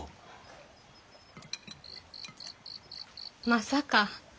まさか。